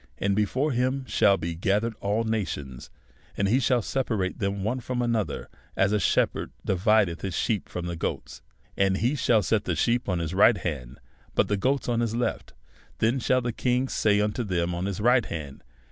And before him shall be gathered all nations ; and he shall separate them one from another, as a shepherd divideth the sheep from the goats ; and he shall set the sheep on his right hand, but the goats on the left. Then shall the DEVOUT AND HOLY LIFE. 61 King say unto them on his right hand.